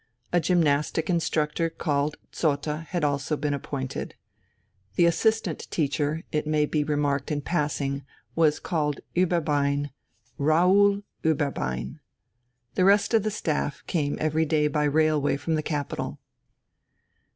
A gymnastic instructor called Zotte had also been appointed. The assistant teacher, it may be remarked in passing, was called Ueberbein, Raoul Ueberbein. The rest of the staff came every day by railway from the capital.